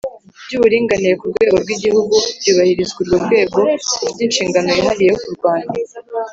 by uburinganire ku rwego rw igihugu byubahirizwa Urwo rwego rufite inshingano yihariye yo kurwanya